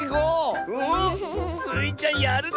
スイちゃんやるな！